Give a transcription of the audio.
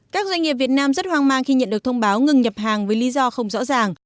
các doanh nghiệp việt nam rất hoang mang khi nhận được thông báo ngừng nhập hàng với lý do không rõ ràng